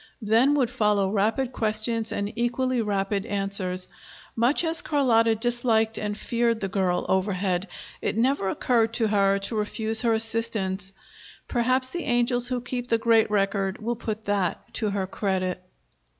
Then would follow rapid questions and equally rapid answers. Much as Carlotta disliked and feared the girl overhead, it never occurred to her to refuse her assistance. Perhaps the angels who keep the great record will put that to her credit.